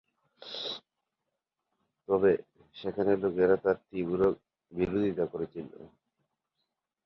তবে সেখানকার লোকেরা তার তীব্র বিরোধিতা করেছিল।